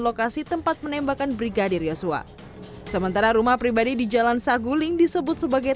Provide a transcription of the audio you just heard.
lokasi tempat penembakan brigadir yosua sementara rumah pribadi di jalan saguling disebut sebagai